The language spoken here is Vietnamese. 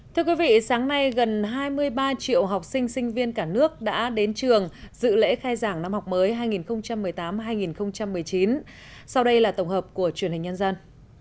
thưa quý vị sáng nay gần hai mươi ba triệu học sinh sinh viên cả nước đã đến trường dự lễ khai giảng năm học mới hai nghìn một mươi tám hai nghìn một mươi chín sau đây là tổng hợp của truyền hình nhân dân